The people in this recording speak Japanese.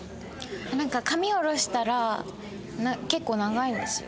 なんか髪下ろしたら結構長いんですよ。